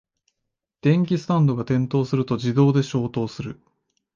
電気スタンドが転倒すると自動で消灯する